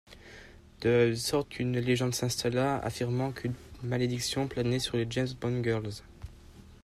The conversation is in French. De sorte qu'une légende s'installa, affirmant qu'une malédiction planait sur les James Bond girls.